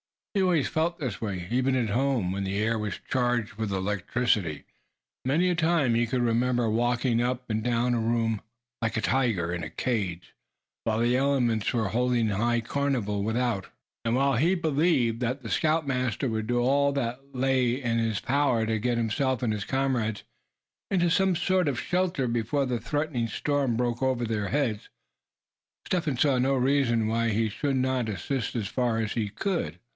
He always felt this way, even at home, when the air was charged with electricity. Many a time he could remember walking up and down a room, like a tiger in its cage, while the elements were holding high carnival without. And while he believed that the scoutmaster would do all that lay in his power to get himself and comrades into some sort of shelter before the threatening storm broke over their heads, Step Hen saw no reason why he should not assist, as far as he could.